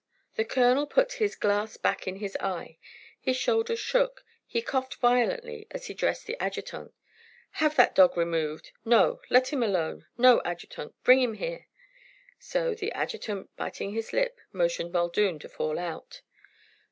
The colonel put his glass back in his eye. His shoulders shook. He coughed violently as he addressed the adjutant: "Have that dog removed no, let him alone no, adjutant, bring him here!" So the adjutant, biting his lip, motioned Muldoon to fall out.